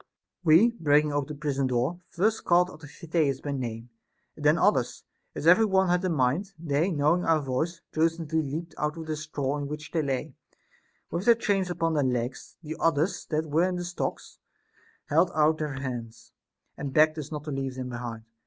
We, breaking open the prison door, first called out Amphitheus by name, and then others, as every one had a mind ; they, knowing our voice, jocundly leaped out of their straw in which they lay, with their chains upon their legs. The others that were in the stocks held out their hands, and begged us not to leave them behind.